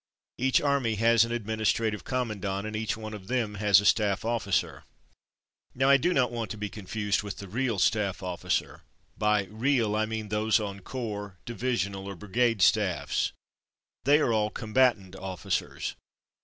Each army has an administrative commandant and each one of them has a staff officer. Now I do not want to be confused with io8 From Mud to Mufti the real staff officer. By real, I mean those on Corps, Divisional, or Brigade staffs. They are all " combatant '' officers.